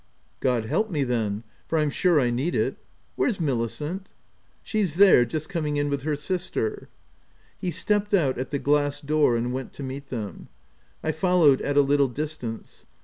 " God help me, then — for I'm sure I need it —Where's Milicent?" " She's there, just coming in with her sister. 5 ' He stepped out at the glass door, and went to meet them. I followed at a little distance.